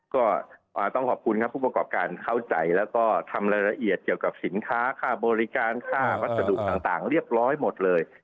ก็ต้องขอบคุณครับผู้ประกอบการเข้าใจแล้วก็ทำรายละเอียดเกี่ยวกับสินค้าค่าบริการค่าวัสดุต่างเรียบร้อยหมดเลย